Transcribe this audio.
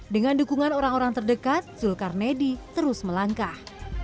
dengan dukungan orang orang terdekat zulkarnedi terus melangkah